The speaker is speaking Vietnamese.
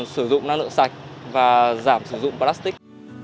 sử dụng năng lượng sạch và giảm sử dụng plastic